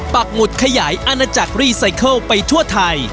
ปักหมุดขยายอาณาจักรรีไซเคิลไปทั่วไทย